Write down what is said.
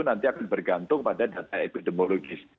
nanti akan bergantung pada data epidemiologis